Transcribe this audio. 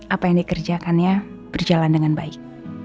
apa yang dikerjakannya berjalan dengan baik